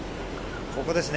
ここですね。